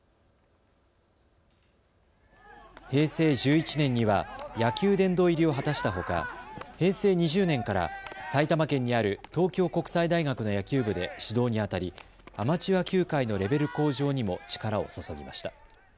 平成１１年には野球殿堂入りを果たしたほか平成２０年から埼玉県にある東京国際大学の野球部で指導にあたりアマチュア球界のレベル向上にも力を注ぎました。